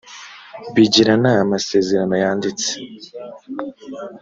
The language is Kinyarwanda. bigirana amasezerano yanditse